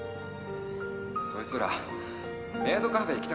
そいつらメイドカフェ行きたかったんだって。